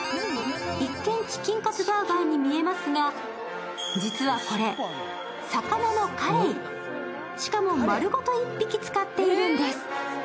一見、チキンカツバーガーに見えますが、実はこれ、魚のカレイ、しかも丸ごと一匹使っているんです。